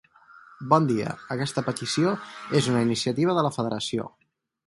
Bon dia, aquesta petició és una iniciativa de la federació